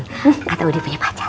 hmm atau udah punya pacar